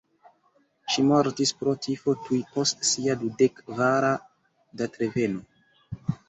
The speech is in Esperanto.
Ŝi mortis pro tifo tuj post sia dudek kvara datreveno.